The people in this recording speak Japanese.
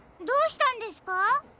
どうしたんですか？